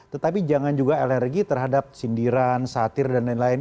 tetapi jangan juga alergi terhadap sindiran satir dan lain lain